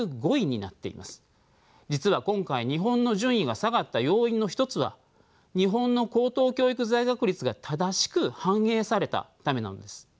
実は今回日本の順位が下がった要因の一つは日本の高等教育在学率が正しく反映されたためなのです。